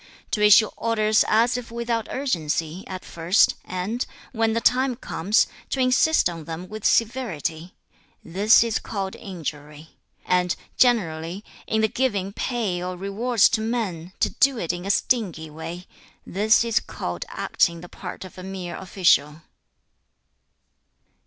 To issue orders as if without urgency, at first, and, when the time comes, to insist on them with severity; this is called injury. And, generally, in the giving pay 之與人也/出納之吝/謂之有司. [第三章][一節]子曰/不知命/無以為君子也.[二節]不知禮/無以 立也.[三節]不知言/無以知人也. or rewards to men, to do it in a stingy way; this is called acting the part of a mere official.'